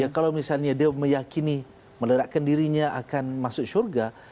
kalau misalnya dia meyakini menerakkan dirinya akan masuk syurga